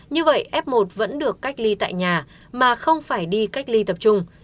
như vậy f một vẫn được cách ly tại nhà mà không phải đi cách ly tập trung